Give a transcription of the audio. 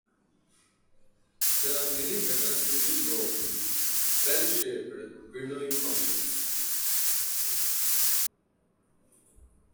There are many better single-lobe, bell-shaped windowing functions.